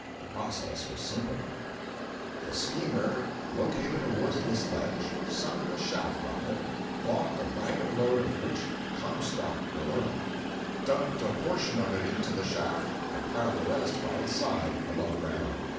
The process was simple. 311.jpg (69K) The schemer located a worthless ledge, sunk a shaft on it, bought a wagon load of rich "Comstock" ore, dumped a portion of it into the shaft and piled the rest by its side, above ground.